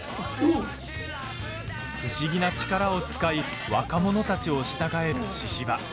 不思議な力を使い若者たちを従える、ししば。